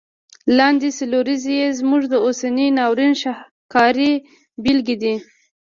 لاندي څلوریځي یې زموږ د اوسني ناورین شاهکاري بیلګي دي.